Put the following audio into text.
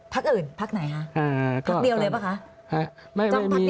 พรรคอื่นพรรคไหนคะพรรคเดียวเลยป่ะคะ